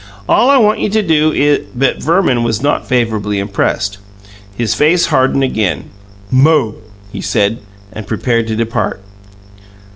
All I want you to do is " But Verman was not favourably impressed; his face hardened again. "Mo!" he said, and prepared to depart.